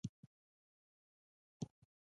د بلخ نوبهار لوی بودايي معبد و